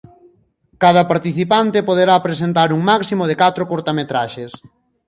Cada participante poderá presentar un máximo de catro curtametraxes.